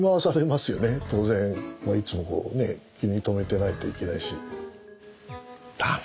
いつもこうね気に留めてないといけないし。